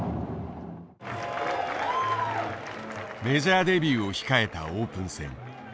メジャーデビューを控えたオープン戦。